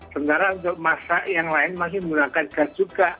sementara untuk masak yang lain masih menggunakan gas juga